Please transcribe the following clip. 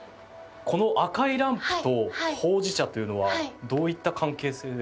この赤いランプとほうじ茶というのはどういった関係性で。